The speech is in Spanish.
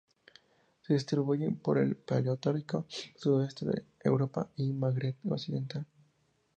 Se distribuyen por el Paleártico: sudoeste de Europa y el Magreb occidental.